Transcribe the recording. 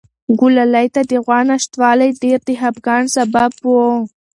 ګلالۍ ته د غوا نشتوالی ډېر د خپګان سبب و.